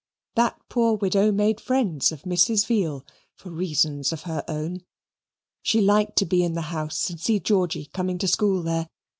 That poor widow made friends of Mrs. Veal, for reasons of her own. She liked to be in the house and see Georgy coming to school there.